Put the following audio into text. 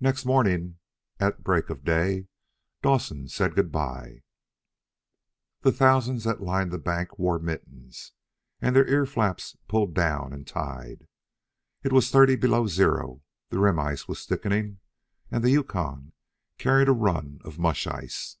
Next morning, at break of day, Dawson said good by. The thousands that lined the bank wore mittens and their ear flaps pulled down and tied. It was thirty below zero, the rim ice was thickening, and the Yukon carried a run of mush ice.